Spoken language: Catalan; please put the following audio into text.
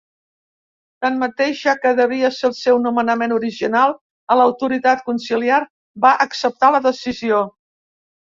Tanmateix, ja que devia el seu nomenament original a l'autoritat conciliar, va acceptar la decisió.